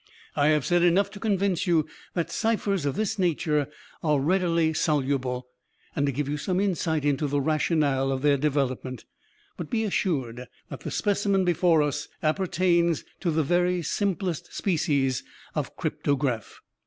I have said enough to convince you that ciphers of this nature are readily soluble, and to give you some insight into the rationale of their development. But be assured that the specimen before us appertains to the very simplest species of cryptograph.